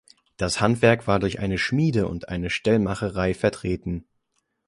Das Handwerk war durch eine Schmiede und eine Stellmacherei vertreten.